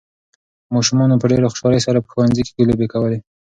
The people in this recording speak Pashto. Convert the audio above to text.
ماشومانو په ډېرې خوشالۍ سره په ښوونځي کې لوبې کولې.